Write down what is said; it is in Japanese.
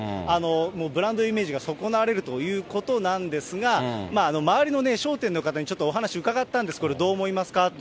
もうブランドイメージが損なわれるということなんですが、周りの商店の方にちょっとお話伺ったんです、これ、どう思いますか？と。